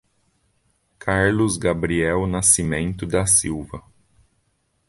Carlos Gabriel Nascimento da Silva